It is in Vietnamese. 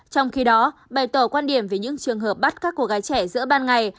trong khi đó bày tỏ quan điểm về những trường hợp bắt các cô gái trẻ giữa ban ngày